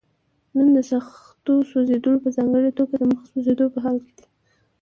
نن د سختو سوځېدلو په ځانګړي توګه د مخ سوځېدو په حال کې دي.